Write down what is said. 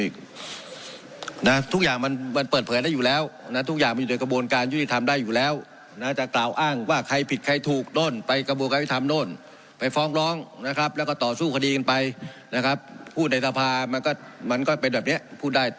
คือพูดมันไม่รู้ไม่รู้เพื่ออะไรผมก็ไม่เข้าใจนะ